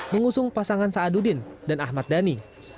mengusung pasangan saadudin dan ahmad dhani